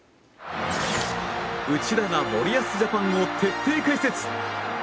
内田が森保ジャパンを徹底解説。